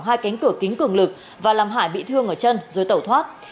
hai cánh cửa kính cường lực và làm hải bị thương ở chân rồi tẩu thoát